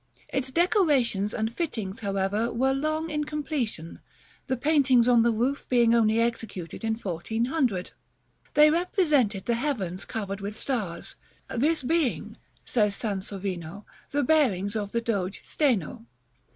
Its decorations and fittings, however, were long in completion; the paintings on the roof being only executed in 1400. They represented the heavens covered with stars, this being, says Sansovino, the bearings of the Doge Steno.